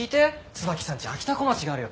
椿さんちあきたこまちがあるよ。